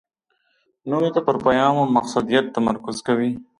نورو ته پر پېغام او مقصدیت تمرکز کوي.